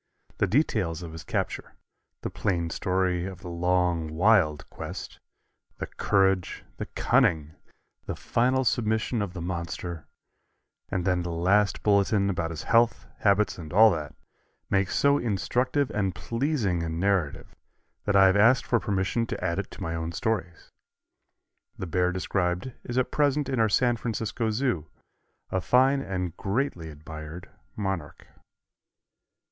The details of his capture, the plain story of the long, wild quest, the courage, the cunning, the final submission of the monster, and then the last bulletin about his health, habits and all that, make so instructive and pleasing a narrative that I have asked for permission to add it to my own stories. The bear described is at present in our San Francisco Zoo, a fine and greatly admired monarch.